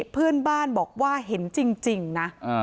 เพื่อนบ้านบอกว่าเห็นจริงนะ